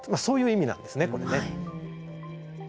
そういう意味なんですね